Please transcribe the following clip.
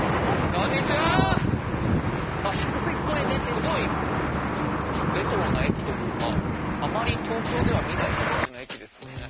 すごいレトロな駅というかあまり東京では見ない形の駅ですよね。